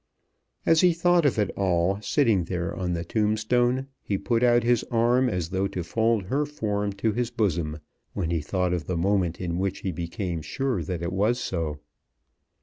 As he thought of it all, sitting there on the tombstone, he put out his arm as though to fold her form to his bosom when he thought of the moment in which he became sure that it was so.